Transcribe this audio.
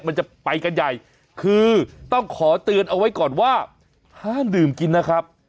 มันจะไปกันใหญ่คือต้องขอเตือนเอาไว้ก่อนว่าห้ามดื่มกินนะครับ